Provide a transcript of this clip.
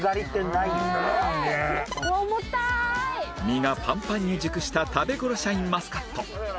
実がパンパンに熟した食べ頃シャインマスカット